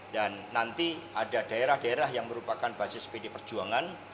dan nanti ada daerah daerah yang merupakan basis pd perjuangan